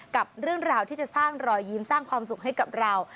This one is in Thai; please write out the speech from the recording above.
กับเรื่องราวที่จะสร้างรอยยิ้มสร้างความสุขให้กับเรา